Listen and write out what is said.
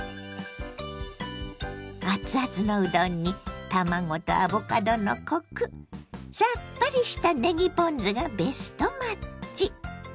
熱々のうどんに卵とアボカドのコクさっぱりしたねぎポン酢がベストマッチ！